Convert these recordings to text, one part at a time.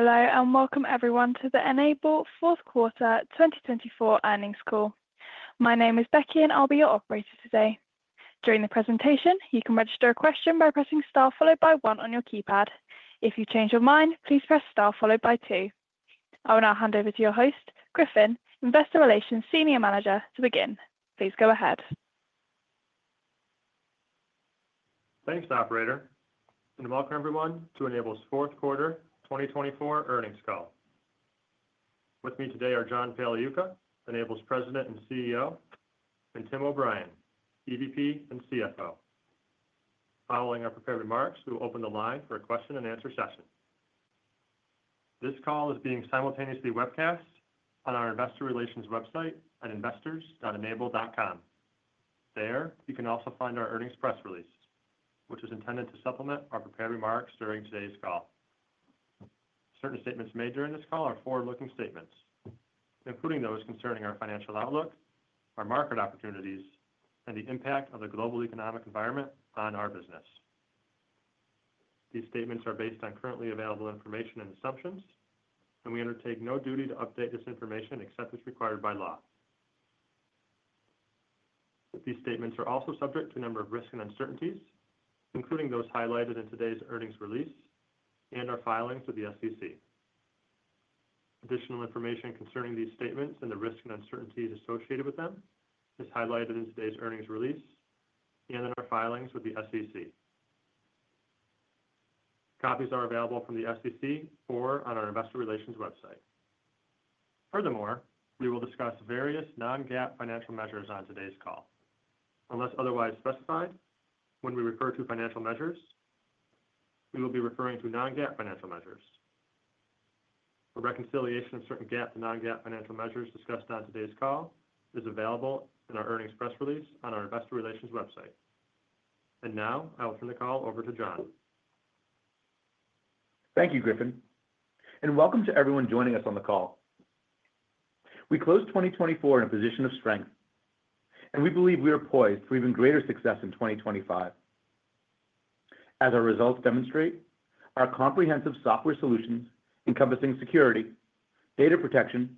Hello, and welcome everyone to the N-able fourth quarter 2024 Earnings call. My name is Becky, and I'll be your operator today. During the presentation, you can register a question by pressing star followed by one on your keypad. If you change your mind, please press star followed by two. I will now hand over to your host, Griffin, Investor Relations Senior Manager, to begin. Please go ahead. Thanks, Operator. Good morning, everyone. To N-able's fourth quarter 2024 Earnings Call. With me today are John Pagliuca, N-able's President and CEO, and Tim O'Brien, EVP and CFO. Following our prepared remarks, we will open the line for a question and answer session. This call is being simultaneously webcast on our Investor Relations website at investors.n-able.com. There, you can also find our earnings press release, which is intended to supplement our prepared remarks during today's call. Certain statements made during this call are forward-looking statements, including those concerning our financial outlook, our market opportunities, and the impact of the global economic environment on our business. These statements are based on currently available information and assumptions, and we undertake no duty to update this information except as required by law. These statements are also subject to a number of risks and uncertainties, including those highlighted in today's earnings release and our filings with the SEC. Additional information concerning these statements and the risks and uncertainties associated with them is highlighted in today's earnings release and in our filings with the SEC. Copies are available from the SEC or on our Investor Relations website. Furthermore, we will discuss various non-GAAP financial measures on today's call. Unless otherwise specified, when we refer to financial measures, we will be referring to non-GAAP financial measures. A reconciliation of certain GAAP and non-GAAP financial measures discussed on today's call is available in our earnings press release on our Investor Relations website. I will turn the call over to John. Thank you, Griffin. Welcome to everyone joining us on the call. We closed 2024 in a position of strength, and we believe we are poised for even greater success in 2025. As our results demonstrate, our comprehensive software solutions encompassing security, data protection,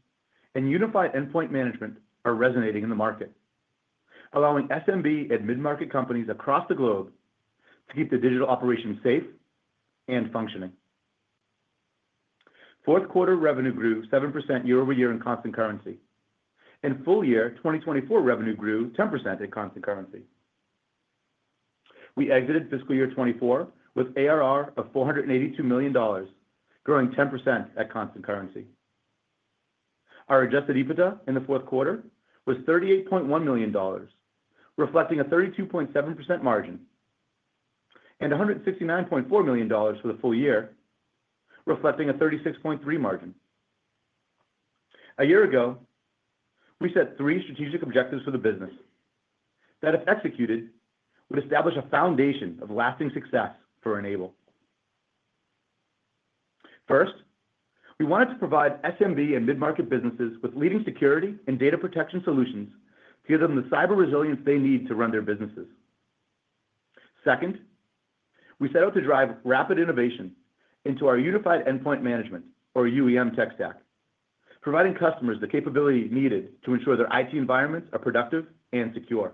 and Unified Endpoint Management are resonating in the market, allowing SMB and mid-market companies across the globe to keep the digital operations safe and functioning. Fourth quarter revenue grew 7% year-over-year in constant currency, and full year 2024 revenue grew 10% in constant currency. We exited fiscal year 2024 with ARR of $482 million, growing 10% at constant currency. Our Adjusted EBITDA in the fourth quarter was $38.1 million, reflecting a 32.7% margin, and $169.4 million for the full year, reflecting a 36.3% margin. A year ago, we set three strategic objectives for the business that, if executed, would establish a foundation of lasting success for N-able. First, we wanted to provide SMB and mid-market businesses with leading security and data protection solutions to give them the cyber resilience they need to run their businesses. Second, we set out to drive rapid innovation into our Unified Endpoint Management, or UEM, tech stack, providing customers the capability needed to ensure their IT environments are productive and secure.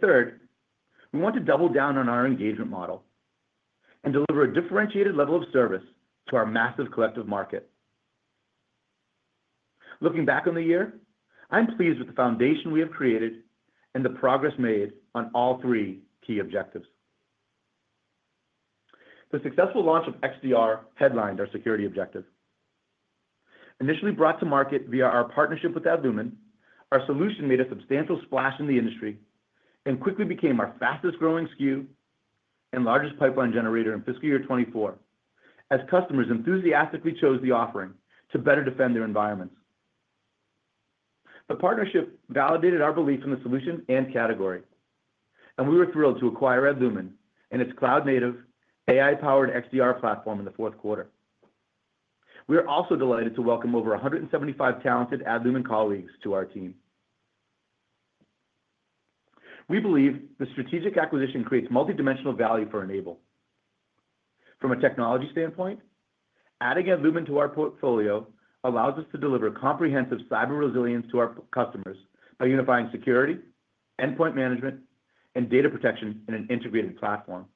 Third, we want to double down on our engagement model and deliver a differentiated level of service to our massive collective market. Looking back on the year, I'm pleased with the foundation we have created and the progress made on all three key objectives. The successful launch of XDR headlined our security objective. Initially brought to market via our partnership with Adlumin, our solution made a substantial splash in the industry and quickly became our fastest-growing SKU and largest pipeline generator in fiscal year 2024, as customers enthusiastically chose the offering to better defend their environments. The partnership validated our belief in the solution and category, and we were thrilled to acquire Adlumin and its cloud-native AI-powered XDR platform in the fourth quarter. We are also delighted to welcome over 175 talented Adlumin colleagues to our team. We believe the strategic acquisition creates multidimensional value for N-able. From a technology standpoint, adding Adlumin to our portfolio allows us to deliver comprehensive cyber resilience to our customers by unifying security, endpoint management, and data protection in an integrated platform.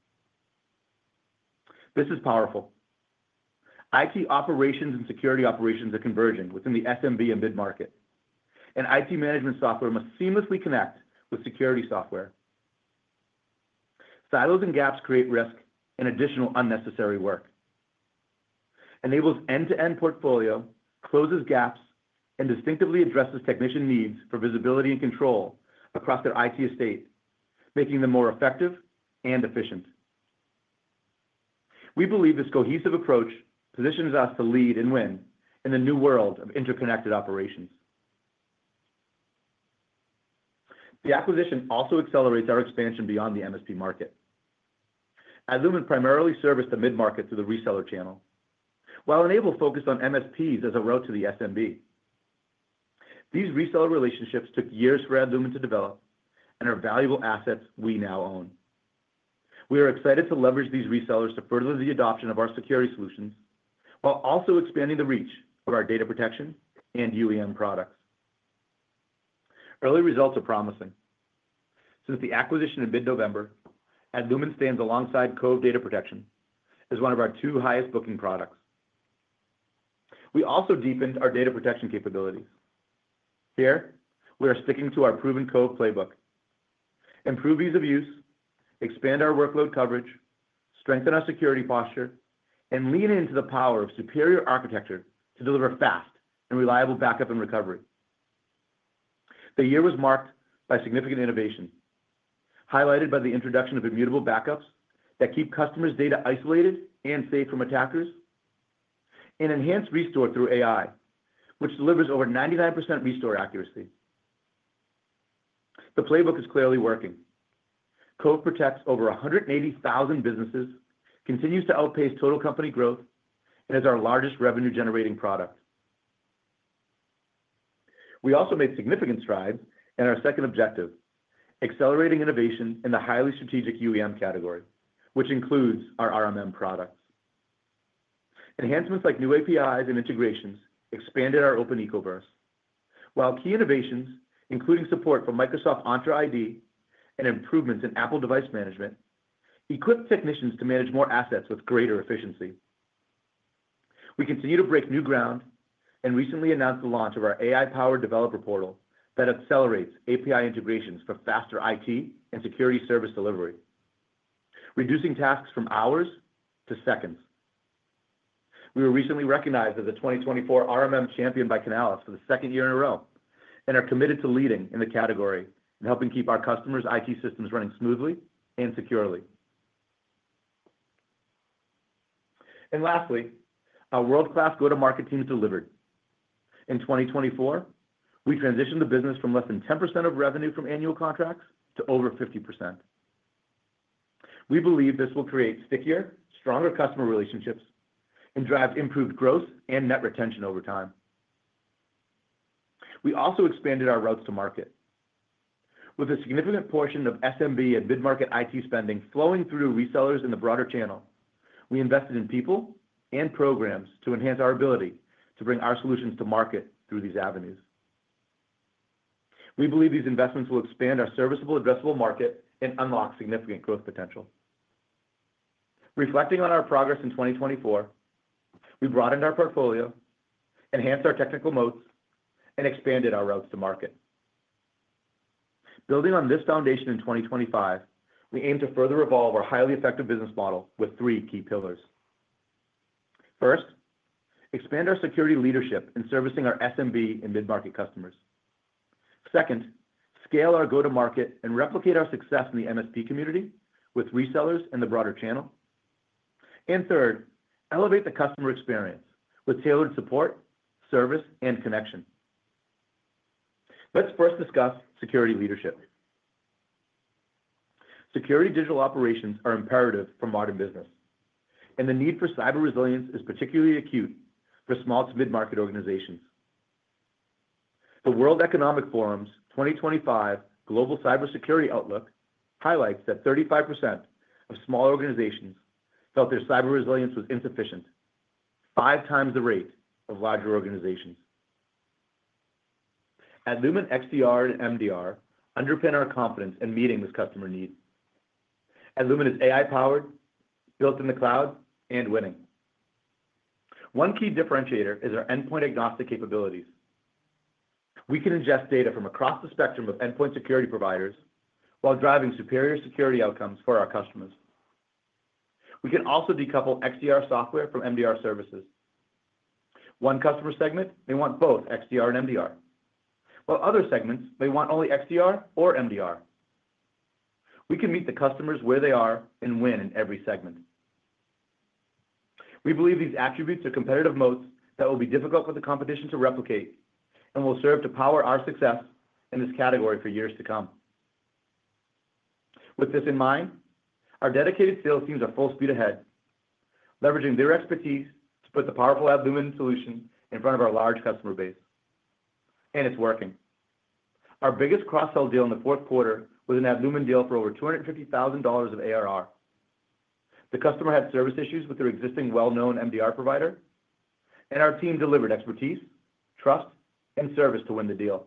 This is powerful. IT operations and security operations are converging within the SMB and mid-market, and IT management software must seamlessly connect with security software. Silos and gaps create risk and additional unnecessary work. N-able's end-to-end portfolio closes gaps and distinctively addresses technician needs for visibility and control across their IT estate, making them more effective and efficient. We believe this cohesive approach positions us to lead and win in the new world of interconnected operations. The acquisition also accelerates our expansion beyond the MSP market. Adlumin primarily serviced the mid-market through the reseller channel, while N-able focused on MSPs as a route to the SMB. These reseller relationships took years for Adlumin to develop and are valuable assets we now own. We are excited to leverage these resellers to further the adoption of our security solutions while also expanding the reach of our data protection and UEM products. Early results are promising. Since the acquisition in mid-November, Adlumin stands alongside Cove Data Protection as one of our two highest-booking products. We also deepened our data protection capabilities. Here, we are sticking to our proven Cove playbook: improve ease of use, expand our workload coverage, strengthen our security posture, and lean into the power of superior architecture to deliver fast and reliable backup and recovery. The year was marked by significant innovation, highlighted by the introduction of immutable backups that keep customers' data isolated and safe from attackers, and enhanced restore through AI, which delivers over 99% restore accuracy. The playbook is clearly working. Cove protects over 180,000 businesses, continues to outpace total company growth, and is our largest revenue-generating product. We also made significant strides in our second objective, accelerating innovation in the highly strategic UEM category, which includes our RMM products. Enhancements like new APIs and integrations expanded our open e-commerce, while key innovations, including support for Microsoft Entra ID and improvements in Apple device management, equipped technicians to manage more assets with greater efficiency. We continue to break new ground and recently announced the launch of our AI-powered developer portal that accelerates API integrations for faster IT and security service delivery, reducing tasks from hours to seconds. We were recently recognized as a 2024 RMM champion by Canalys for the second year in a row and are committed to leading in the category and helping keep our customers' IT systems running smoothly and securely. Lastly, our world-class go-to-market team has delivered. In 2024, we transitioned the business from less than 10% of revenue from annual contracts to over 50%. We believe this will create stickier, stronger customer relationships and drive improved growth and net retention over time. We also expanded our routes to market. With a significant portion of SMB and mid-market IT spending flowing through resellers in the broader channel, we invested in people and programs to enhance our ability to bring our solutions to market through these avenues. We believe these investments will expand our serviceable, addressable market and unlock significant growth potential. Reflecting on our progress in 2024, we broadened our portfolio, enhanced our technical moats, and expanded our routes to market. Building on this foundation in 2025, we aim to further evolve our highly effective business model with three key pillars. First, expand our security leadership in servicing our SMB and mid-market customers. Second, scale our go-to-market and replicate our success in the MSP community with resellers in the broader channel. Third, elevate the customer experience with tailored support, service, and connection. Let's first discuss security leadership. Security digital operations are imperative for modern business, and the need for cyber resilience is particularly acute for small to mid-market organizations. The World Economic Forum's 2025 Global Cybersecurity Outlook highlights that 35% of small organizations felt their cyber resilience was insufficient, five times the rate of larger organizations. Adlumin, XDR, and MDR underpin our confidence in meeting this customer need. Adlumin is AI-powered, built in the cloud, and winning. One key differentiator is our endpoint-agnostic capabilities. We can ingest data from across the spectrum of endpoint security providers while driving superior security outcomes for our customers. We can also decouple XDR software from MDR services. One customer segment may want both XDR and MDR, while other segments may want only XDR or MDR. We can meet the customers where they are and win in every segment. We believe these attributes are competitive moats that will be difficult for the competition to replicate and will serve to power our success in this category for years to come. With this in mind, our dedicated sales teams are full speed ahead, leveraging their expertise to put the powerful Adlumin solution in front of our large customer base. It is working. Our biggest cross-sale deal in the fourth quarter was an Adlumin deal for over $250,000 of ARR. The customer had service issues with their existing well-known MDR provider, and our team delivered expertise, trust, and service to win the deal.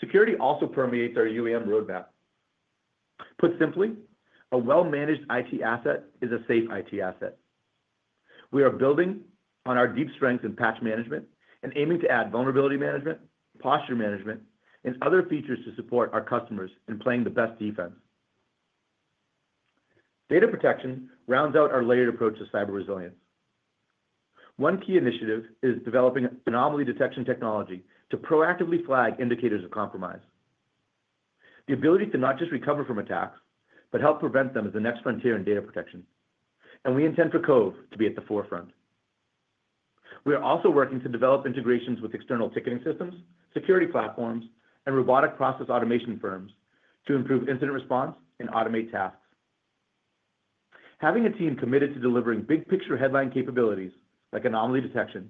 Security also permeates our UEM roadmap. Put simply, a well-managed IT asset is a safe IT asset. We are building on our deep strengths in patch management and aiming to add vulnerability management, posture management, and other features to support our customers in playing the best defense. Data protection rounds out our layered approach to cyber resilience. One key initiative is developing anomaly detection technology to proactively flag indicators of compromise. The ability to not just recover from attacks, but help prevent them is the next frontier in data protection. We intend for Cove to be at the forefront. We are also working to develop integrations with external ticketing systems, security platforms, and robotic process automation firms to improve incident response and automate tasks. Having a team committed to delivering big-picture headline capabilities like anomaly detection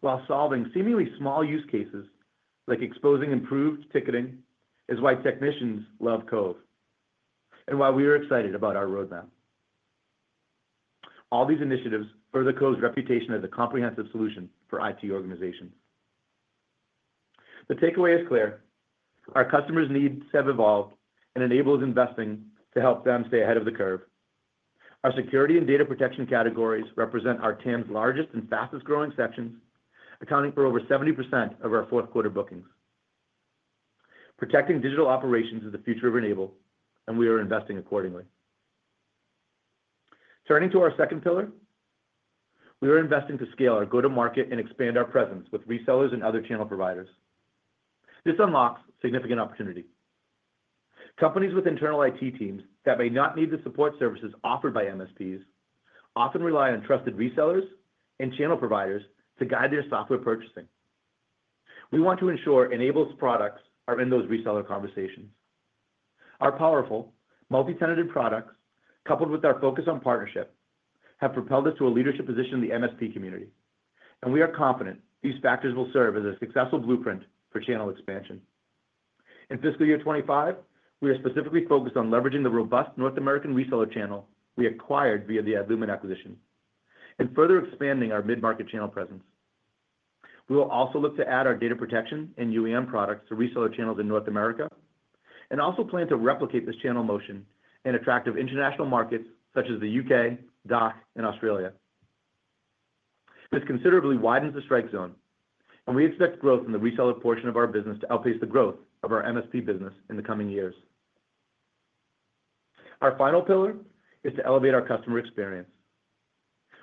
while solving seemingly small use cases like exposing improved ticketing is why technicians love Cove and why we are excited about our roadmap. All these initiatives further Cove's reputation as a comprehensive solution for IT organizations. The takeaway is clear. Our customers' needs have evolved, and N-able is investing to help them stay ahead of the curve. Our security and data protection categories represent our TAM's largest and fastest-growing sections, accounting for over 70% of our fourth-quarter bookings. Protecting digital operations is the future of N-able, and we are investing accordingly. Turning to our second pillar, we are investing to scale our go-to-market and expand our presence with resellers and other channel providers. This unlocks significant opportunity. Companies with internal IT teams that may not need the support services offered by MSPs often rely on trusted resellers and channel providers to guide their software purchasing. We want to ensure N-able's products are in those reseller conversations. Our powerful, multi-tenanted products, coupled with our focus on partnership, have propelled us to a leadership position in the MSP community. We are confident these factors will serve as a successful blueprint for channel expansion. In fiscal year 2025, we are specifically focused on leveraging the robust North American reseller channel we acquired via the Adlumin acquisition and further expanding our mid-market channel presence. We will also look to add our data protection and UEM products to reseller channels in North America and also plan to replicate this channel motion in attractive international markets such as the U.K., DACH, and Australia. This considerably widens the strike zone, and we expect growth in the reseller portion of our business to outpace the growth of our MSP business in the coming years. Our final pillar is to elevate our customer experience.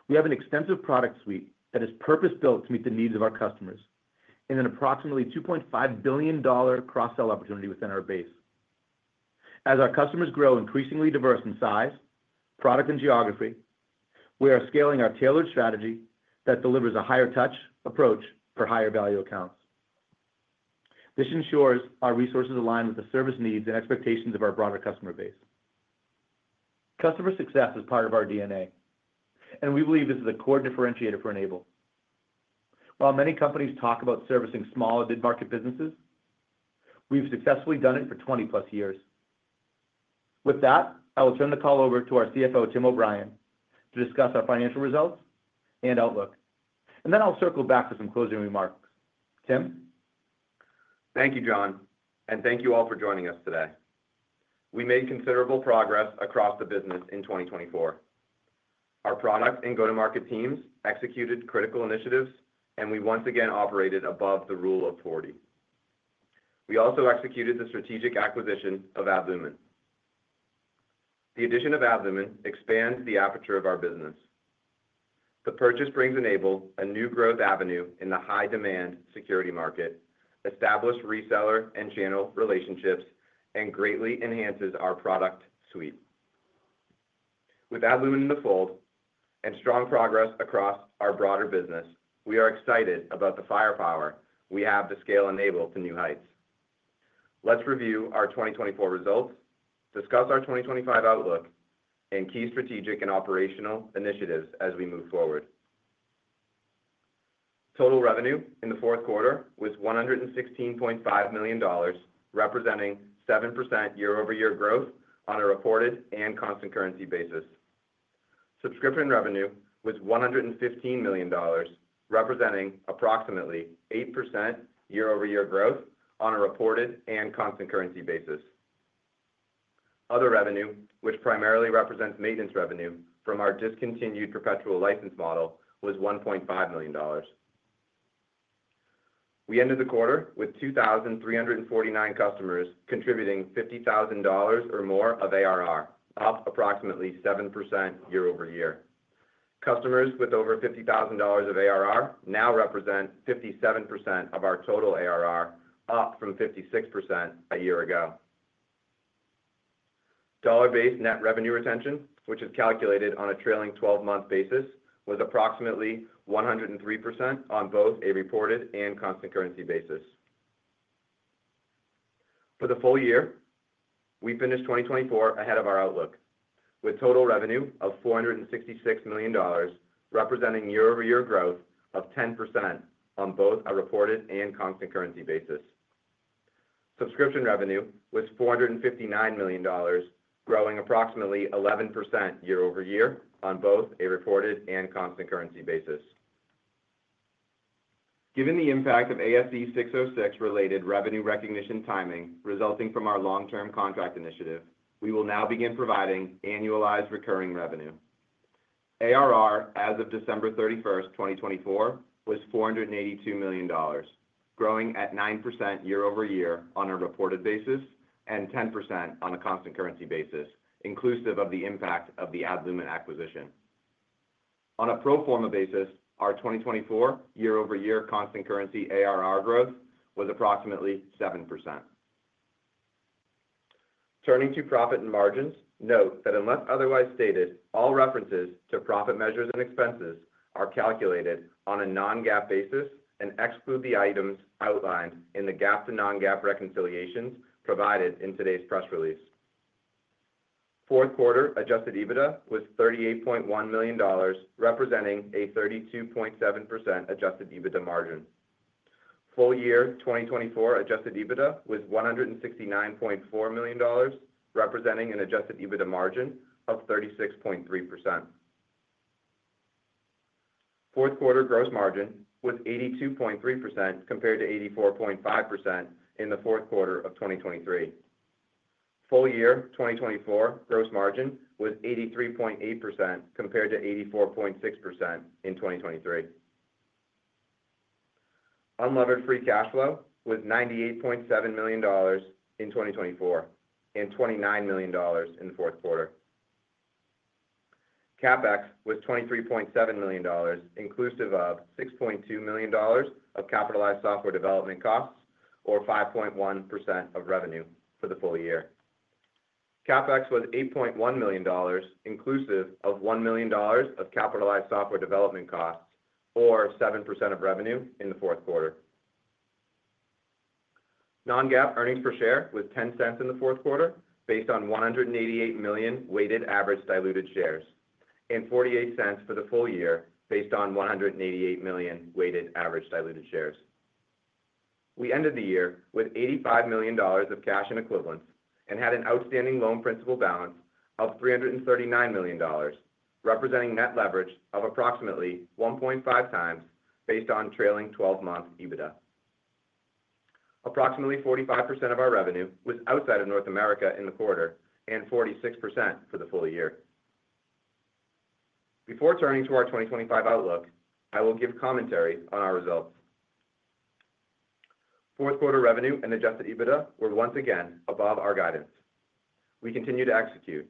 We have an extensive product suite that is purpose-built to meet the needs of our customers in an approximately $2.5 billion cross-sale opportunity within our base. As our customers grow increasingly diverse in size, product, and geography, we are scaling our tailored strategy that delivers a higher-touch approach for higher value accounts. This ensures our resources align with the service needs and expectations of our broader customer base. Customer success is part of our DNA, and we believe this is a core differentiator for N-able. While many companies talk about servicing small mid-market businesses, we've successfully done it for 20-plus years. With that, I will turn the call over to our CFO, Tim O'Brien, to discuss our financial results and outlook. I'll circle back for some closing remarks. Tim? Thank you, John. Thank you all for joining us today. We made considerable progress across the business in 2024. Our product and go-to-market teams executed critical initiatives, and we once again operated above the Rule of 40. We also executed the strategic acquisition of Adlumin. The addition of Adlumin expands the aperture of our business. The purchase brings N-able a new growth avenue in the high-demand security market, establishes reseller and channel relationships, and greatly enhances our product suite. With Adlumin in the fold and strong progress across our broader business, we are excited about the firepower we have to scale N-able to new heights. Let's review our 2024 results, discuss our 2025 outlook, and key strategic and operational initiatives as we move forward. Total revenue in the fourth quarter was $116.5 million, representing 7% year-over-year growth on a reported and constant currency basis. Subscription revenue was $115 million, representing approximately 8% year-over-year growth on a reported and constant currency basis. Other revenue, which primarily represents maintenance revenue from our discontinued perpetual license model, was $1.5 million. We ended the quarter with 2,349 customers contributing $50,000 or more of ARR, up approximately 7% year-over-year. Customers with over $50,000 of ARR now represent 57% of our total ARR, up from 56% a year ago. Dollar-based net revenue retention, which is calculated on a trailing 12-month basis, was approximately 103% on both a reported and constant currency basis. For the full year, we finished 2024 ahead of our outlook, with total revenue of $466 million, representing year-over-year growth of 10% on both a reported and constant currency basis. Subscription revenue was $459 million, growing approximately 11% year-over-year on both a reported and constant currency basis. Given the impact of ASC 606-related revenue recognition timing resulting from our long-term contract initiative, we will now begin providing annualized recurring revenue. ARR as of December 31, 2024, was $482 million, growing at 9% year-over-year on a reported basis and 10% on a constant currency basis, inclusive of the impact of the Adlumin acquisition. On a pro forma basis, our 2024 year-over-year constant currency ARR growth was approximately 7%. Turning to profit and margins, note that unless otherwise stated, all references to profit measures and expenses are calculated on a non-GAAP basis and exclude the items outlined in the GAAP-to-non-GAAP reconciliations provided in today's press release. Fourth quarter Adjusted EBITDA was $38.1 million, representing a 32.7% Adjusted EBITDA margin. Full year 2024 Adjusted EBITDA was $169.4 million, representing an Adjusted EBITDA margin of 36.3%. Fourth quarter gross margin was 82.3% compared to 84.5% in the fourth quarter of 2023. Full year 2024 gross margin was 83.8% compared to 84.6% in 2023. Unlevered free cash flow was $98.7 million in 2024 and $29 million in the fourth quarter. CapEx was $23.7 million, inclusive of $6.2 million of capitalized software development costs, or 5.1% of revenue for the full year. CapEx was $8.1 million, inclusive of $1 million of capitalized software development costs, or 7% of revenue in the fourth quarter. Non-GAAP earnings per share was $0.10 in the fourth quarter based on 188 million weighted average diluted shares and $0.48 for the full year based on 188 million weighted average diluted shares. We ended the year with $85 million of cash and equivalents and had an outstanding loan principal balance of $339 million, representing net leverage of approximately 1.5 times based on trailing 12-month EBITDA. Approximately 45% of our revenue was outside of North America in the quarter and 46% for the full year. Before turning to our 2025 outlook, I will give commentary on our results. Fourth quarter revenue and Adjusted EBITDA were once again above our guidance. We continue to execute,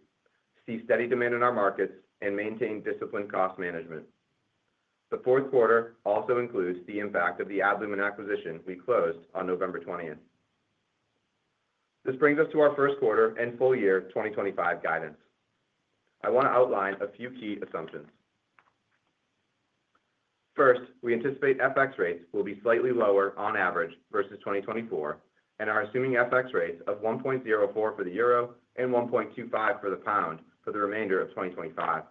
see steady demand in our markets, and maintain disciplined cost management. The fourth quarter also includes the impact of the Adlumin acquisition we closed on November 20th. This brings us to our first quarter and full year 2025 guidance. I want to outline a few key assumptions. First, we anticipate FX rates will be slightly lower on average versus 2024 and are assuming FX rates of 1.04 for the euro and 1.25 for the pound for the remainder of 2025.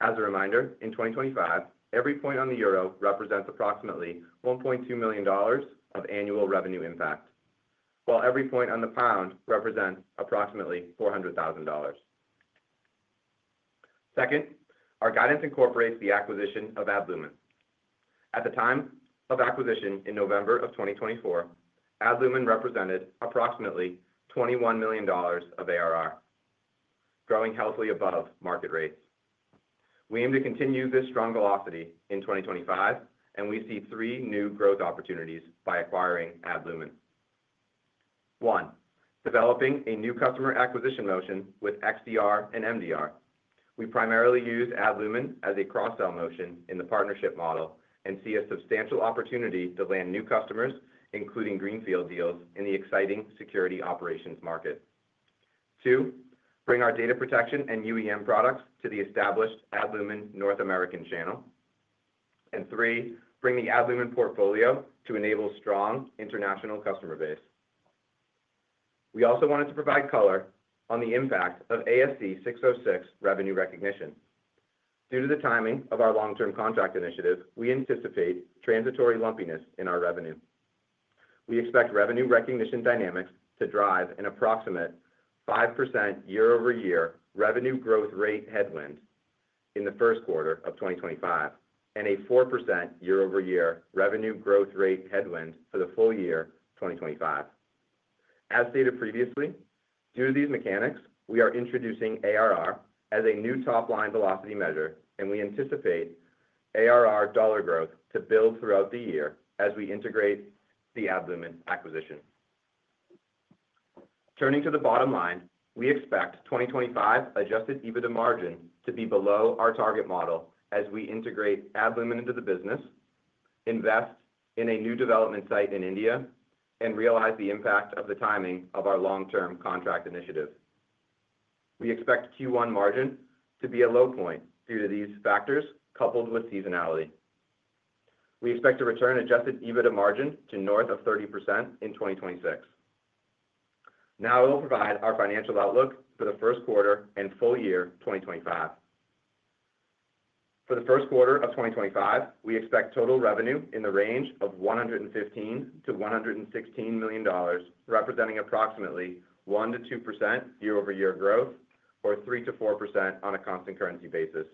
As a reminder, in 2025, every point on the euro represents approximately $1.2 million of annual revenue impact, while every point on the pound represents approximately $400,000. Second, our guidance incorporates the acquisition of Adlumin. At the time of acquisition in November of 2024, Adlumin represented approximately $21 million of ARR, growing healthily above market rates. We aim to continue this strong velocity in 2025, and we see three new growth opportunities by acquiring Adlumin. One, developing a new customer acquisition motion with XDR and MDR. We primarily use Adlumin as a cross-sale motion in the partnership model and see a substantial opportunity to land new customers, including greenfield deals in the exciting security operations market. Two, bring our data protection and UEM products to the established Adlumin North American channel. And three, bring the Adlumin portfolio to enable a strong international customer base. We also wanted to provide color on the impact of ASC 606 revenue recognition. Due to the timing of our long-term contract initiative, we anticipate transitory lumpiness in our revenue. We expect revenue recognition dynamics to drive an approximate 5% year-over-year revenue growth rate headwind in the first quarter of 2025 and a 4% year-over-year revenue growth rate headwind for the full year 2025. As stated previously, due to these mechanics, we are introducing ARR as a new top-line velocity measure, and we anticipate ARR dollar growth to build throughout the year as we integrate the Adlumin acquisition. Turning to the bottom line, we expect 2025 Adjusted EBITDA margin to be below our target model as we integrate Adlumin into the business, invest in a new development site in India, and realize the impact of the timing of our long-term contract initiative. We expect Q1 margin to be a low point due to these factors coupled with seasonality. We expect to return Adjusted EBITDA margin to north of 30% in 2026. Now I will provide our financial outlook for the first quarter and full year 2025. For the first quarter of 2025, we expect total revenue in the range of $115-$116 million, representing approximately 1-2% year-over-year growth, or 3-4% on a constant currency basis.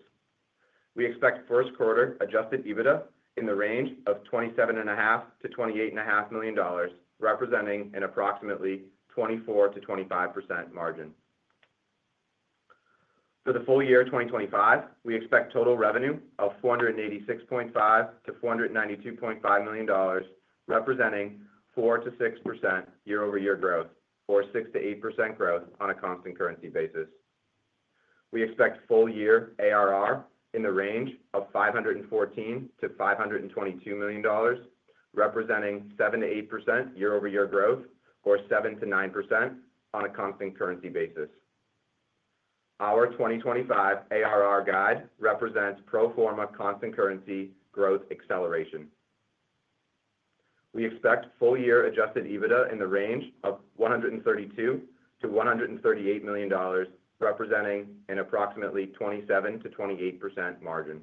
We expect first quarter Adjusted EBITDA in the range of $27.5-$28.5 million, representing an approximately 24-25% margin. For the full year 2025, we expect total revenue of $486.5-$492.5 million, representing 4-6% year-over-year growth, or 6-8% growth on a constant currency basis. We expect full year ARR in the range of $514-$522 million, representing 7-8% year-over-year growth, or 7-9% on a constant currency basis. Our 2025 ARR guide represents pro forma constant currency growth acceleration. We expect full year Adjusted EBITDA in the range of $132-$138 million, representing an approximately 27%-28% margin.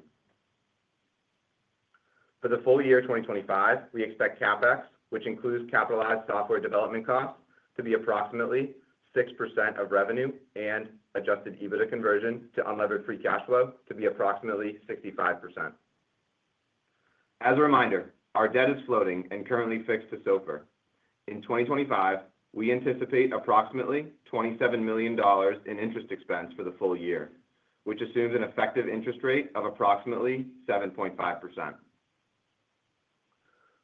For the full year 2025, we expect CapEx, which includes capitalized software development costs, to be approximately 6% of revenue and Adjusted EBITDA conversion to unlevered free cash flow to be approximately 65%. As a reminder, our debt is floating and currently fixed to SOFR. In 2025, we anticipate approximately $27 million in interest expense for the full year, which assumes an effective interest rate of approximately 7.5%.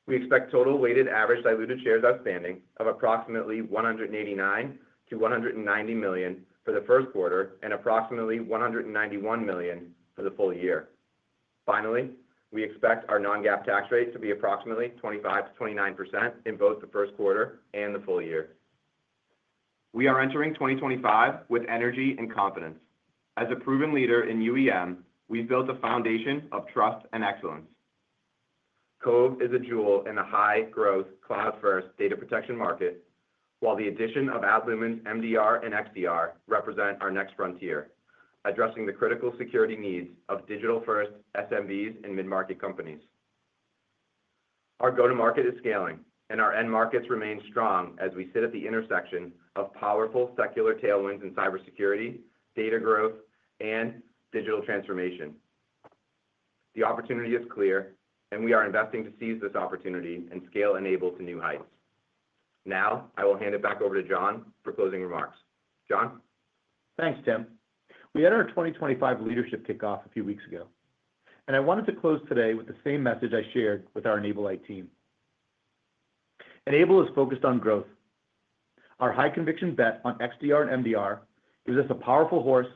We expect total weighted average diluted shares outstanding of approximately 189-190 million for the first quarter and approximately 191 million for the full year. Finally, we expect our non-GAAP tax rate to be approximately 25%-29% in both the first quarter and the full year. We are entering 2025 with energy and confidence. As a proven leader in UEM, we've built a foundation of trust and excellence. Cove is a jewel in the high-growth, cloud-first data protection market, while the addition of Adlumin's MDR and XDR represent our next frontier, addressing the critical security needs of digital-first SMBs and mid-market companies. Our go-to-market is scaling, and our end markets remain strong as we sit at the intersection of powerful secular tailwinds in cybersecurity, data growth, and digital transformation. The opportunity is clear, and we are investing to seize this opportunity and scale N-able to new heights. Now I will hand it back over to John for closing remarks. John? Thanks, Tim. We had our 2025 leadership kickoff a few weeks ago, and I wanted to close today with the same message I shared with our N-ablite team. N-able is focused on growth. Our high-conviction bet on XDR and MDR gives us a powerful horse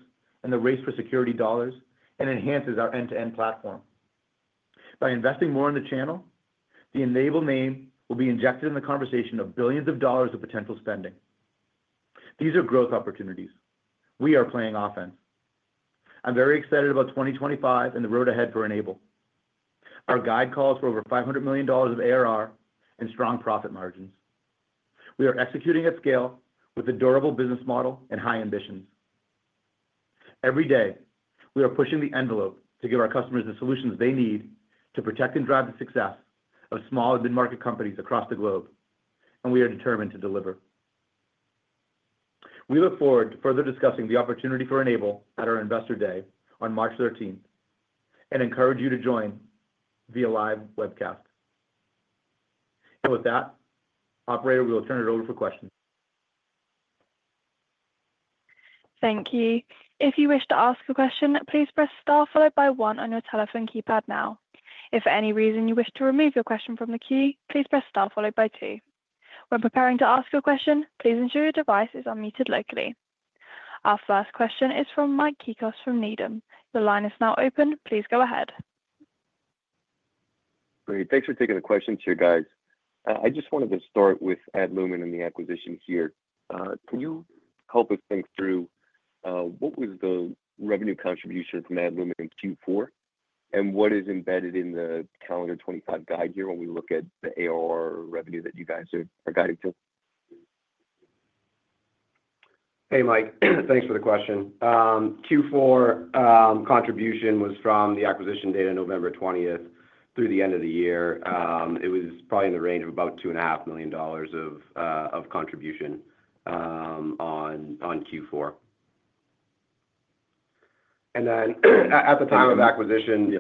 in the race for security dollars and enhances our end-to-end platform. By investing more in the channel, the N-able name will be injected in the conversation of billions of dollars of potential spending. These are growth opportunities. We are playing offense. I'm very excited about 2025 and the road ahead for N-able. Our guide calls for over $500 million of ARR and strong profit margins. We are executing at scale with a durable business model and high ambitions. Every day, we are pushing the envelope to give our customers the solutions they need to protect and drive the success of small and mid-market companies across the globe, and we are determined to deliver. We look forward to further discussing the opportunity for N-able at our investor day on March 13th and encourage you to join via live webcast. With that, Operator, we'll turn it over for questions. Thank you. If you wish to ask a question, please press Star followed by 1 on your telephone keypad now. If for any reason you wish to remove your question from the queue, please press Star followed by 2. When preparing to ask your question, please ensure your device is unmuted locally. Our first question is from Mike Cikos from Needham. The line is now open. Please go ahead. Great. Thanks for taking the question, you guys. I just wanted to start with Adlumin and the acquisition here. Can you help us think through what was the revenue contribution from Adlumin in Q4, and what is embedded in the calendar 2025 guide year when we look at the ARR revenue that you guys are guiding to? Hey, Mike. Thanks for the question. Q4 contribution was from the acquisition date on November 20th through the end of the year. It was probably in the range of about $2.5 million of contribution on Q4. At the time of acquisition,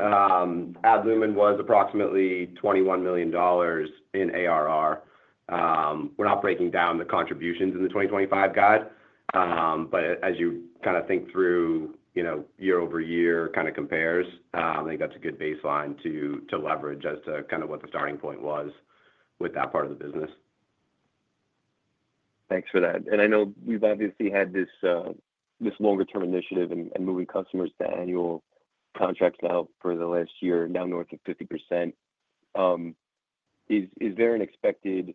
Adlumin was approximately $21 million in ARR. We're not breaking down the contributions in the 2025 guide, but as you kind of think through year-over-year kind of compares, I think that's a good baseline to leverage as to kind of what the starting point was with that part of the business. Thanks for that. I know we've obviously had this longer-term initiative and moving customers to annual contracts now for the last year, now north of 50%. Is there an expected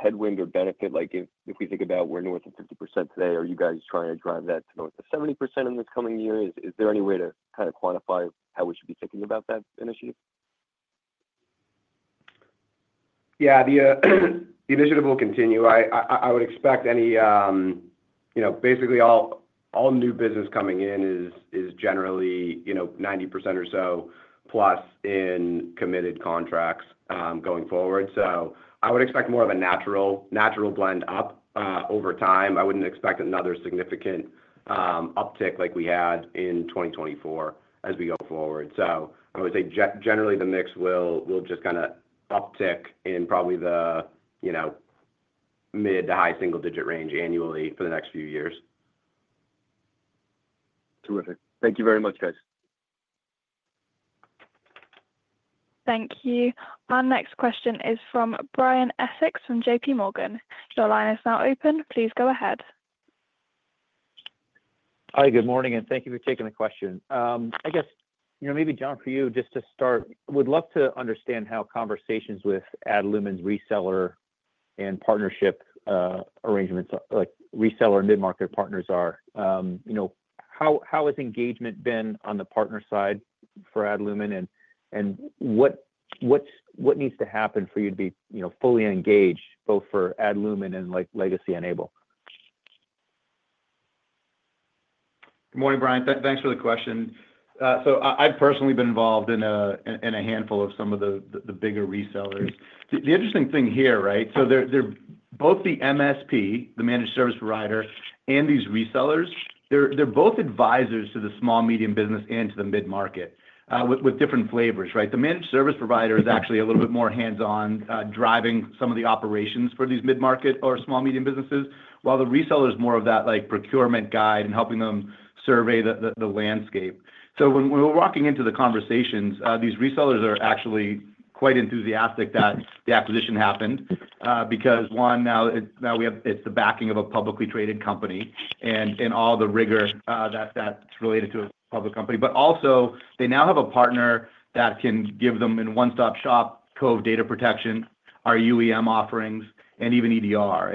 headwind or benefit? If we think about we're north of 50% today, are you guys trying to drive that to north of 70% in this coming year? Is there any way to kind of quantify how we should be thinking about that initiative? Yeah. The initiative will continue. I would expect any basically all new business coming in is generally 90% or so plus in committed contracts going forward. I would expect more of a natural blend up over time. I would not expect another significant uptick like we had in 2024 as we go forward. I would say generally the mix will just kind of uptick in probably the mid to high single-digit range annually for the next few years. Terrific. Thank you very much, guys. Thank you. Our next question is from Brian Essex from J.P. Morgan. Your line is now open. Please go ahead. Hi. Good morning, and thank you for taking the question. I guess maybe, John, for you just to start, would love to understand how conversations with Adlumin's reseller and partnership arrangements, reseller and mid-market partners are. How has engagement been on the partner side for Adlumin, and what needs to happen for you to be fully engaged both for Adlumin and legacy N-able? Good morning, Brian. Thanks for the question. I've personally been involved in a handful of some of the bigger resellers. The interesting thing here, right, both the MSP, the managed service provider, and these resellers, they're both advisors to the small, medium business and to the mid-market with different flavors, right? The managed service provider is actually a little bit more hands-on driving some of the operations for these mid-market or small, medium businesses, while the reseller is more of that procurement guide and helping them survey the landscape. When we're walking into the conversations, these resellers are actually quite enthusiastic that the acquisition happened because, one, now it's the backing of a publicly traded company and all the rigor that's related to a public company. Also, they now have a partner that can give them in one-stop shop Cove Data Protection, our UEM offerings, and even EDR.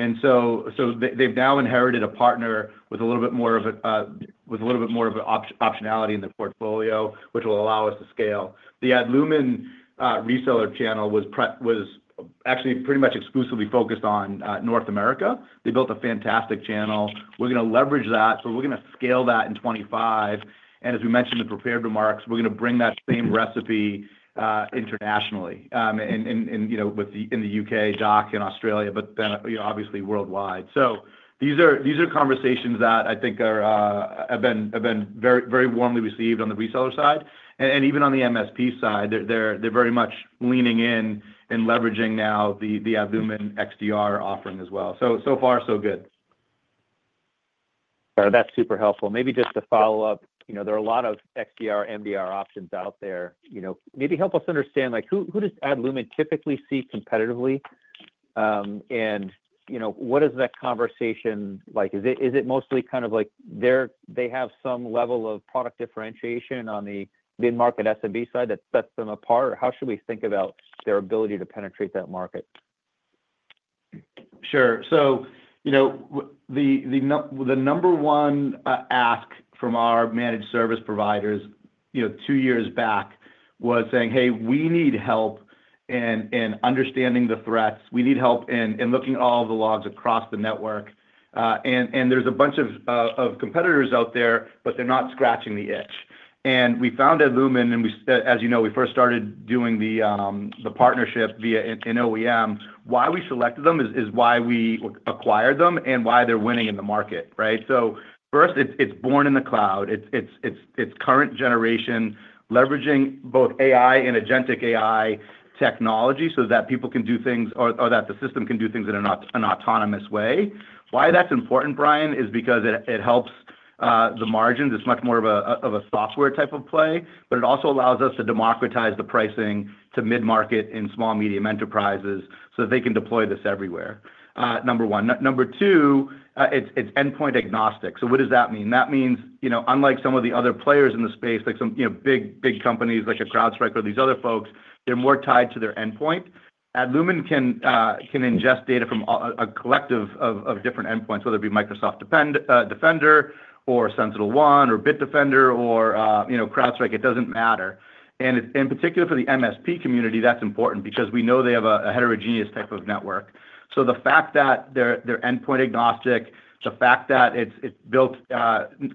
They've now inherited a partner with a little bit more of an optionality in the portfolio, which will allow us to scale. The Adlumin reseller channel was actually pretty much exclusively focused on North America. They built a fantastic channel. We're going to leverage that, but we're going to scale that in 2025. As we mentioned in the prepared remarks, we're going to bring that same recipe internationally and in the U.K., DACH, and Australia, but then obviously worldwide. These are conversations that I think have been very warmly received on the reseller side. Even on the MSP side, they're very much leaning in and leveraging now the Adlumin XDR offering as well. So far, so good. That's super helpful. Maybe just to follow up, there are a lot of XDR, MDR options out there. Maybe help us understand who does Adlumin typically see competitively, and what is that conversation like? Is it mostly kind of like they have some level of product differentiation on the mid-market SMB side that sets them apart, or how should we think about their ability to penetrate that market? Sure. The number one ask from our managed service providers two years back was saying, "Hey, we need help in understanding the threats. We need help in looking at all of the logs across the network. There's a bunch of competitors out there, but they're not scratching the itch. We found Adlumin, and as you know, we first started doing the partnership via an OEM. Why we selected them is why we acquired them and why they're winning in the market, right? First, it's born in the cloud. It's current generation, leveraging both AI and agentic AI technology so that people can do things or that the system can do things in an autonomous way. Why that's important, Brian, is because it helps the margins. It's much more of a software type of play, but it also allows us to democratize the pricing to mid-market and small, medium enterprises so that they can deploy this everywhere, number one. Number two, it's endpoint agnostic. What does that mean? That means unlike some of the other players in the space, like some big companies like CrowdStrike or these other folks, they're more tied to their endpoint. Adlumin can ingest data from a collective of different endpoints, whether it be Microsoft Defender or SentinelOne or Bitdefender or CrowdStrike. It doesn't matter. In particular for the MSP community, that's important because we know they have a heterogeneous type of network. The fact that they're endpoint agnostic, the fact that it's built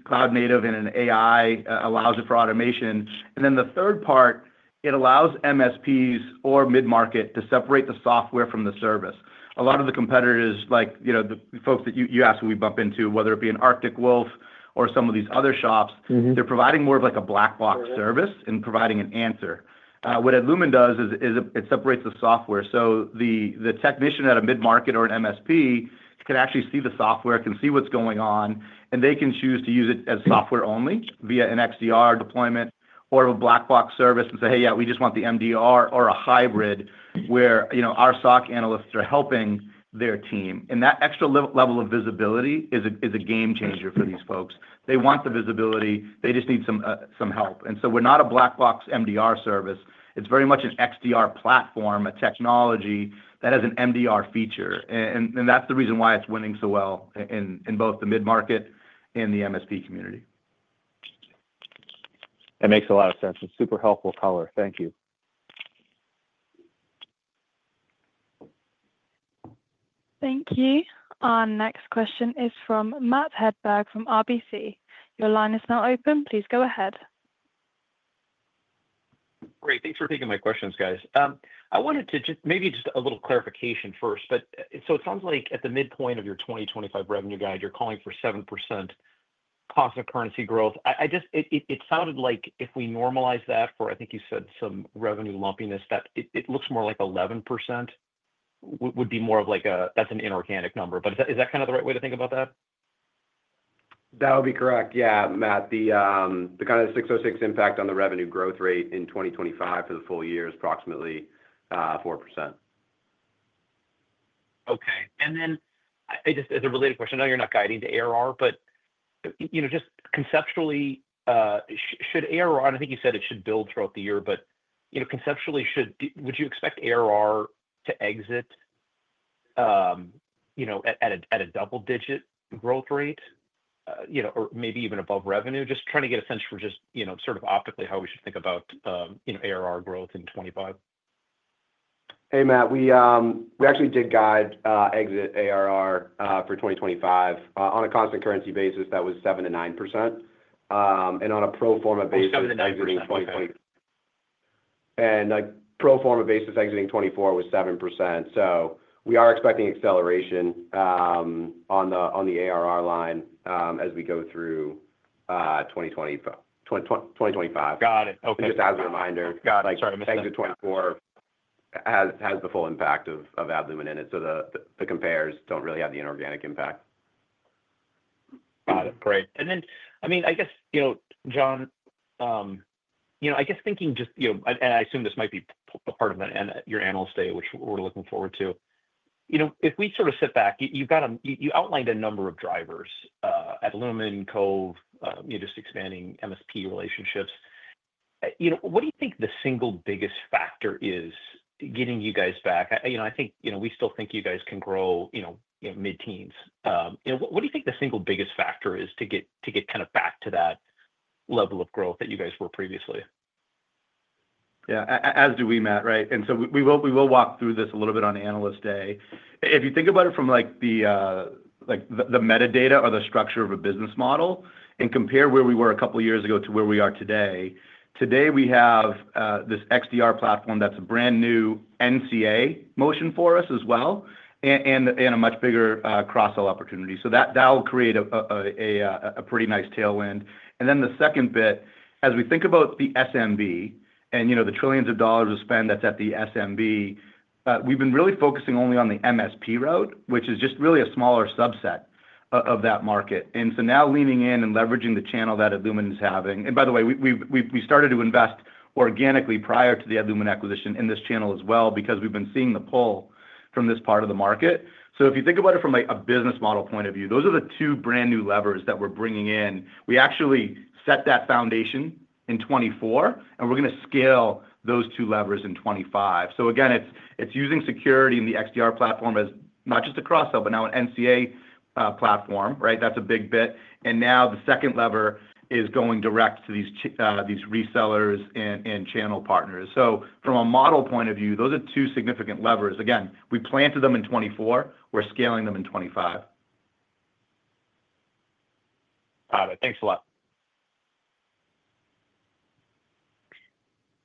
cloud-native and AI allows it for automation. The third part, it allows MSPs or mid-market to separate the software from the service. A lot of the competitors, like the folks that you asked when we bump into, whether it be Arctic Wolf or some of these other shops, they're providing more of a black box service and providing an answer. What Adlumin does is it separates the software. So the technician at a mid-market or an MSP can actually see the software, can see what's going on, and they can choose to use it as software only via an XDR deployment or a black box service and say, "Hey, yeah, we just want the MDR or a hybrid where our SOC analysts are helping their team." That extra level of visibility is a game changer for these folks. They want the visibility. They just need some help. We are not a black box MDR service. It's very much an XDR platform, a technology that has an MDR feature. That's the reason why it's winning so well in both the mid-market and the MSP community. That makes a lot of sense. It's super helpful color. Thank you. Thank you. Our next question is from Matt Hedberg from RBC. Your line is now open. Please go ahead. Great. Thanks for taking my questions, guys. I wanted to just maybe just a little clarification first. It sounds like at the midpoint of your 2025 revenue guide, you're calling for 7% constant currency growth. It sounded like if we normalize that for, I think you said some revenue lumpiness, that it looks more like 11% would be more of like a that's an inorganic number. Is that kind of the right way to think about that? That would be correct. Yeah, Matt. The kind of 606 impact on the revenue growth rate in 2025 for the full year is approximately 4%. Okay, Just as a related question, I know you're not guiding to ARR, but just conceptually, should ARR, and I think you said it should build throughout the year, but conceptually, would you expect ARR to exit at a double-digit growth rate or maybe even above revenue? Just trying to get a sense for just sort of optically how we should think about ARR growth in 2025. Hey, Matt. We actually did guide exit ARR for 2025. On a constant currency basis, that was 7%-9%. And on a pro forma basis, exiting 2024. And pro forma basis, exiting 2024 was 7%. We are expecting acceleration on the ARR line as we go through 2025. Got it. Okay. Just as a reminder, exit 2024 has the full impact of Adlumin in it, so the compares do not really have the inorganic impact. Got it. Great. I mean, I guess, John, I guess thinking just, and I assume this might be a part of your analyst day, which we're looking forward to. If we sort of sit back, you outlined a number of drivers: Adlumin, Cove, just expanding MSP relationships. What do you think the single biggest factor is getting you guys back? I think we still think you guys can grow mid-teens. What do you think the single biggest factor is to get kind of back to that level of growth that you guys were previously? Yeah. As do we, Matt. Right? And so we will walk through this a little bit on analyst day. If you think about it from the metadata or the structure of a business model and compare where we were a couple of years ago to where we are today, today we have this XDR platform that's a brand new NCA motion for us as well and a much bigger cross-sell opportunity. That will create a pretty nice tailwind. The second bit, as we think about the SMB and the trillions of dollars of spend that's at the SMB, we've been really focusing only on the MSP route, which is just really a smaller subset of that market. Now leaning in and leveraging the channel that Adlumin is having. By the way, we started to invest organically prior to the Adlumin acquisition in this channel as well because we've been seeing the pull from this part of the market. If you think about it from a business model point of view, those are the two brand new levers that we're bringing in. We actually set that foundation in 2024, and we're going to scale those two levers in 2025. Again, it's using security in the XDR platform as not just a cross-sell, but now an NCA platform, right? That's a big bit. Now the second lever is going direct to these resellers and channel partners. From a model point of view, those are two significant levers. Again, we planted them in 2024. We're scaling them in 2025. Got it. Thanks a lot.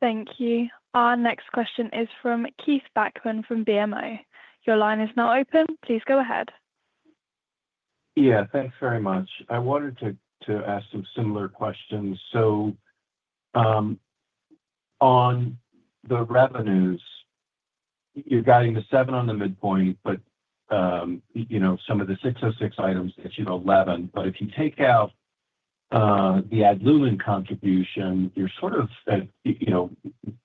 Thank you. Our next question is from Keith Bachman from BMO. Your line is now open. Please go ahead. Yeah. Thanks very much. I wanted to ask some similar questions. On the revenues, you're guiding the 7 on the midpoint, but some of the 606 items get you to 11. If you take out the Adlumin contribution, you're sort of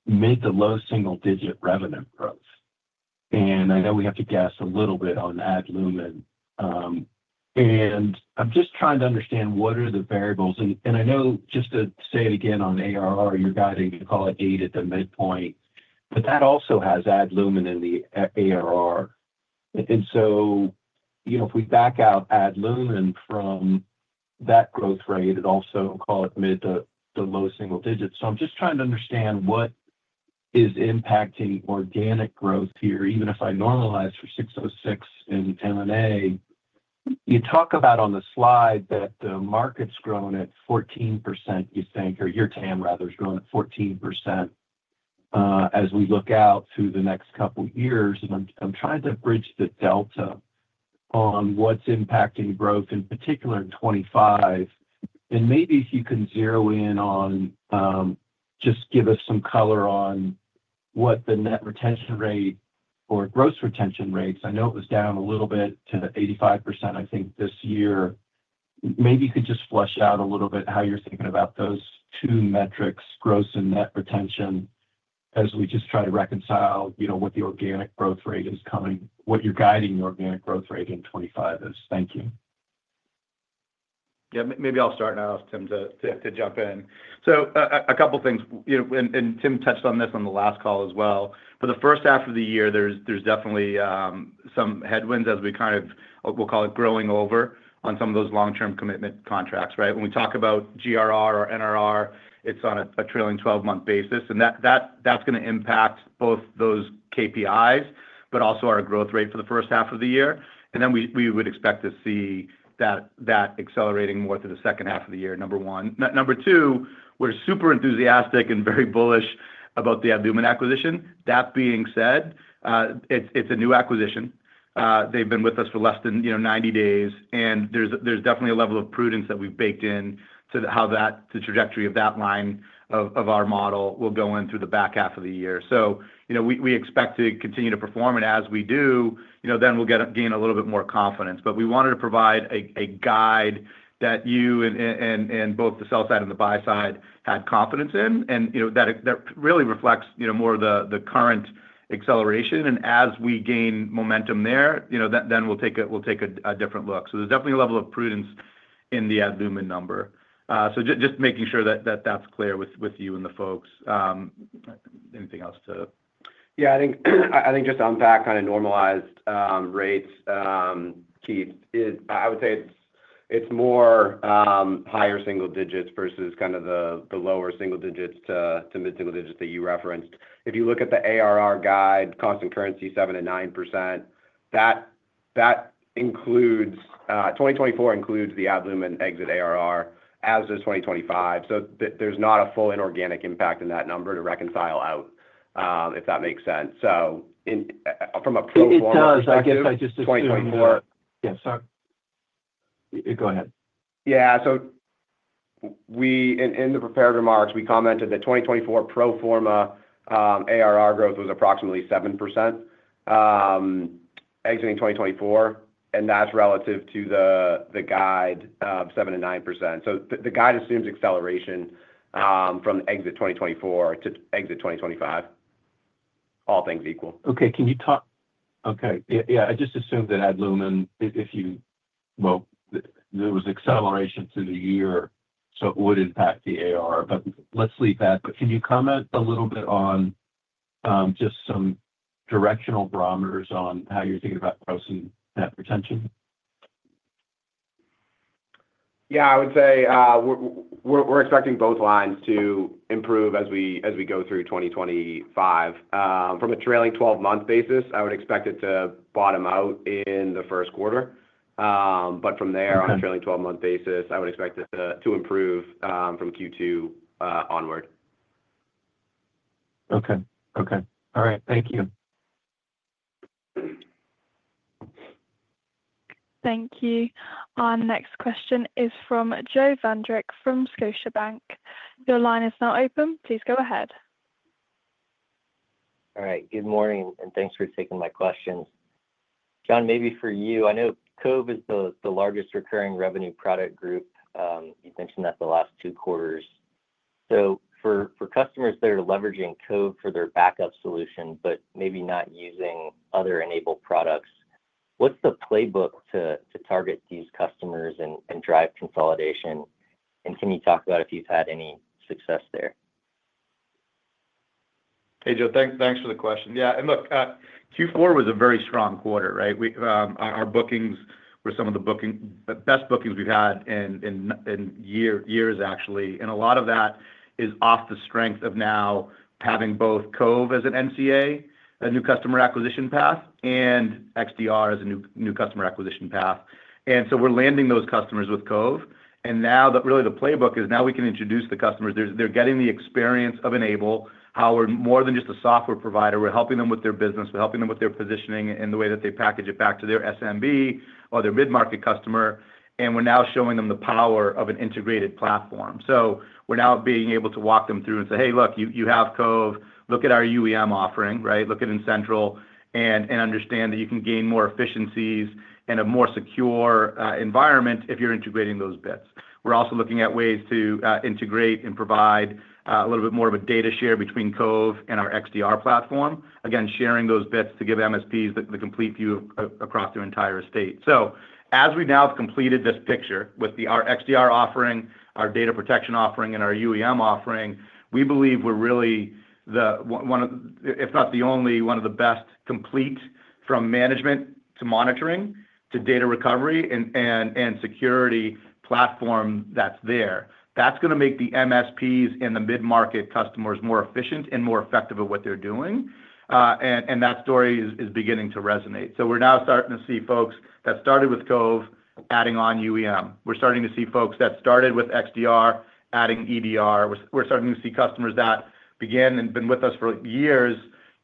mid to low single-digit revenue growth. I know we have to guess a little bit on Adlumin. I'm just trying to understand what are the variables. I know just to say it again on ARR, you're guiding to call it 8 at the midpoint, but that also has Adlumin in the ARR. If we back out Adlumin from that growth rate, it also calls it mid to low single digits. I'm just trying to understand what is impacting organic growth here, even if I normalize for 606 and M&A. You talk about on the slide that the market's grown at 14%, you think, or your TAM rather is grown at 14% as we look out through the next couple of years. I'm trying to bridge the delta on what's impacting growth, in particular in 2025. Maybe if you can zero in on just give us some color on what the net retention rate or gross retention rates, I know it was down a little bit to 85%, I think, this year. Maybe you could just flesh out a little bit how you're thinking about those two metrics, gross and net retention, as we just try to reconcile what the organic growth rate is coming, what you're guiding the organic growth rate in 2025 is. Thank you. Yeah. Maybe I'll start now if Tim to jump in. A couple of things. Tim touched on this on the last call as well. For the first half of the year, there's definitely some headwinds as we kind of, we'll call it growing over on some of those long-term commitment contracts, right? When we talk about GRR or NRR, it's on a trailing 12-month basis. That's going to impact both those KPIs, but also our growth rate for the first half of the year. We would expect to see that accelerating more through the second half of the year, number one. Number two, we're super enthusiastic and very bullish about the Adlumin acquisition. That being said, it's a new acquisition. They've been with us for less than 90 days. There's definitely a level of prudence that we've baked into how the trajectory of that line of our model will go in through the back half of the year. We expect to continue to perform. As we do, then we'll gain a little bit more confidence. We wanted to provide a guide that you and both the sell side and the buy side had confidence in. That really reflects more of the current acceleration. As we gain momentum there, then we'll take a different look. There is definitely a level of prudence in the Adlumin number. Just making sure that that's clear with you and the folks. Anything else to? Yeah. I think just to unpack kind of normalized rates, Keith, I would say it's more higher single digits versus kind of the lower single digits to mid-single digits that you referenced. If you look at the ARR guide, constant currency 7%-9%, 2024 includes the Adlumin exit ARR as of 2025. There's not a full inorganic impact in that number to reconcile out, if that makes sense. From a pro forma perspective, 2024. I guess I just have to say more. Yeah. Sorry. Go ahead. Yeah. In the prepared remarks, we commented that 2024 pro forma ARR growth was approximately 7% exiting 2024. That's relative to the guide of 7-9%. The guide assumes acceleration from exit 2024 to exit 2025, all things equal. Okay. Can you talk? Okay. Yeah. I just assumed that Adlumin, if you, well, there was acceleration through the year, so it would impact the ARR. Let's leave that. Can you comment a little bit on just some directional barometers on how you're thinking about gross and net retention? Yeah. I would say we're expecting both lines to improve as we go through 2025. From a trailing 12-month basis, I would expect it to bottom out in the first quarter. From there, on a trailing 12-month basis, I would expect it to improve from Q2 onward. Okay. Okay. All right. Thank you. Thank you. Our next question is from Joe Vruwink from Baird. Your line is now open. Please go ahead. All right. Good morning. And thanks for taking my questions. John, maybe for you, I know Cove is the largest recurring revenue product group. You mentioned that the last two quarters. For customers that are leveraging Cove for their backup solution, but maybe not using other N-able products, what's the playbook to target these customers and drive consolidation? Can you talk about if you've had any success there? Hey, Joe. Thanks for the question. Yeah. Look, Q4 was a very strong quarter, right? Our bookings were some of the best bookings we've had in years, actually. A lot of that is off the strength of now having both Cove as an NCA, a new customer acquisition path, and XDR as a new customer acquisition path. We're landing those customers with Cove. Now really the playbook is now we can introduce the customers. They're getting the experience of N-able, how we're more than just a software provider. We're helping them with their business. We're helping them with their positioning and the way that they package it back to their SMB or their mid-market customer. We're now showing them the power of an integrated platform. We're now being able to walk them through and say, "Hey, look, you have Cove. Look at our UEM offering, right? Look at N-central and understand that you can gain more efficiencies and a more secure environment if you're integrating those bits. We're also looking at ways to integrate and provide a little bit more of a data share between Cove and our XDR platform, again, sharing those bits to give MSPs the complete view across their entire estate. As we've now completed this picture with our XDR offering, our data protection offering, and our UEM offering, we believe we're really one of, if not the only, one of the best complete from management to monitoring to data recovery and security platform that's there. That is going to make the MSPs and the mid-market customers more efficient and more effective at what they're doing. That story is beginning to resonate. We're now starting to see folks that started with Cove adding on UEM. We're starting to see folks that started with XDR adding EDR. We're starting to see customers that began and have been with us for years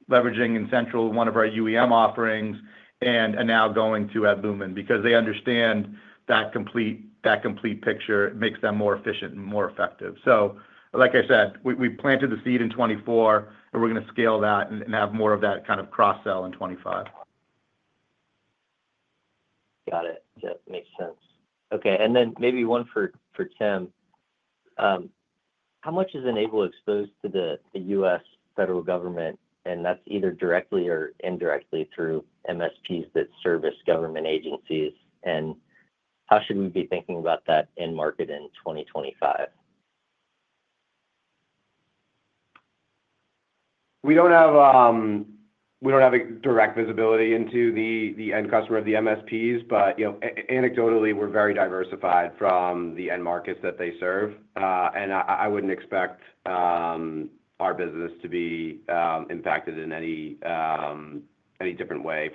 leveraging N-central, one of our UEM offerings, and now going to Adlumin because they understand that complete picture makes them more efficient and more effective. Like I said, we planted the seed in 2024, and we're going to scale that and have more of that kind of cross-sell in 2025. Got it. That makes sense. Okay. Maybe one for Tim. How much is N-able exposed to the U.S. federal government? That's either directly or indirectly through MSPs that service government agencies. How should we be thinking about that end market in 2025? We don't have direct visibility into the end customer of the MSPs, but anecdotally, we're very diversified from the end markets that they serve. I would not expect our business to be impacted in any different way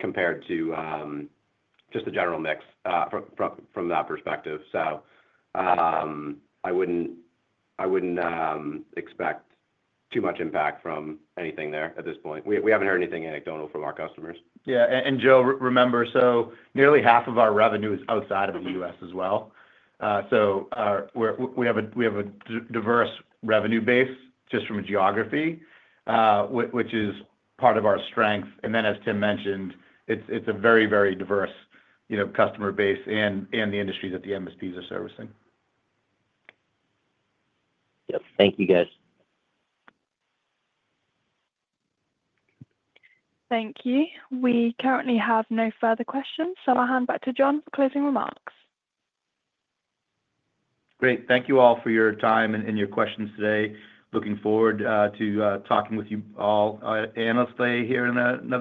compared to just the general mix from that perspective. I would not expect too much impact from anything there at this point. We have not heard anything anecdotal from our customers. Yeah. And Joe, remember, nearly half of our revenue is outside of the U.S. as well. We have a diverse revenue base just from geography, which is part of our strength. As Tim mentioned, it is a very, very diverse customer base and the industries that the MSPs are servicing. Yep. Thank you, guys. Thank you. We currently have no further questions. I will hand back to John for closing remarks. Great. Thank you all for your time and your questions today. Looking forward to talking with you all, Analyst Day This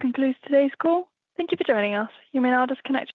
concludes today's call. Thank you for joining us. You may now disconnect.